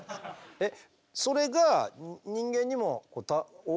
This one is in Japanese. えっ！